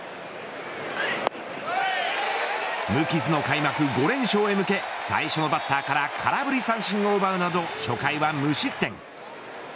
無傷の開幕５連勝へ向け最初のバッターから空振り三振を奪うなど初回は無失点。